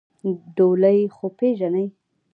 ډولۍ خو پېژنې؟